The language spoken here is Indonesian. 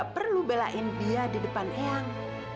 kamu gak perlu belain dia di depan ayang